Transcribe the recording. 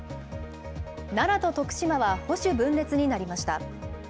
奈良と徳島は保守分裂になりました。